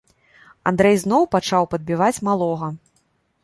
Андрэй зноў пачаў падбіваць малога.